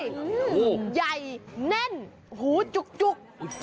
โอ้ยใหญ่แน่นหูจุ๊ก